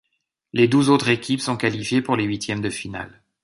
Les douze autres équipes sont qualifiées pour les huitièmes de finale.